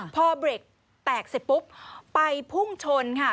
พอเบรกแตกเสร็จปุ๊บไปพุ่งชนค่ะ